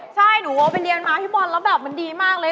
ใช่หนูไปเรียนมาพี่บอลแล้วแบบมันดีมากเลย